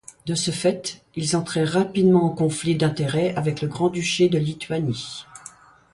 De ce fait, ils entrèrent rapidement en conflit d'intérêt avec le grand-duché de Lituanie.